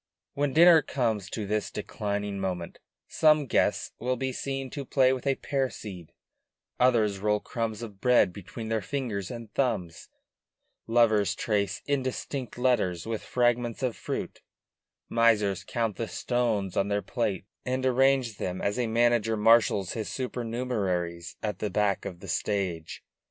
When a dinner comes to this declining moment some guests will be seen to play with a pear seed; others roll crumbs of bread between their fingers and thumbs; lovers trace indistinct letters with fragments of fruit; misers count the stones on their plate and arrange them as a manager marshals his supernumeraries at the back of the stage.